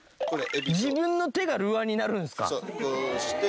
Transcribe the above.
自分の手がルアーになるんすか⁉そう。